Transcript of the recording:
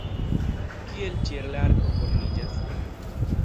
Kiel ĉielarko formiĝas?